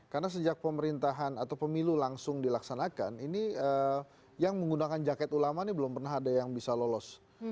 karena sejak pemerintahan atau pemilu langsung dilaksanakan ini yang menggunakan jaket ulama ini belum pernah ada yang bisa lolos